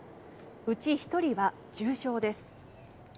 うち１人は重傷です。